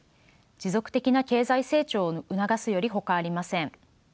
持続的な経済成長を促すよりほかありません。